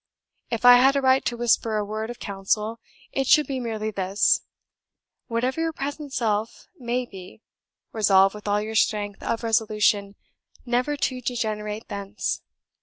If I had a right to whisper a word of counsel, it should be merely this: whatever your present self may be, resolve with all your strength of resolution, never to degenerate thence.